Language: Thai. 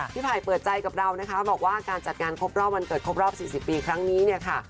ไผ่เปิดใจกับเรานะคะบอกว่าการจัดงานครบรอบวันเกิดครบรอบ๔๐ปีครั้งนี้เนี่ยค่ะ